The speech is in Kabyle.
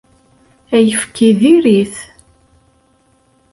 Ayefki diri-t.